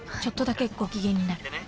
［ちょっとだけご機嫌になる］